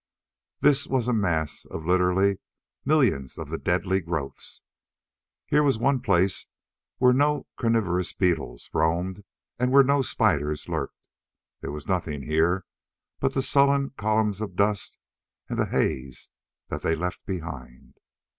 This was a mass of literally millions of the deadly growths. Here was one place where no carnivorous beetles roamed and where no spiders lurked. There were nothing here but the sullen columns of dust and the haze that they left behind.